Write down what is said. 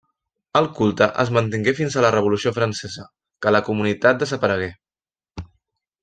El culte es mantingué fins a la Revolució francesa, que la comunitat desaparegué.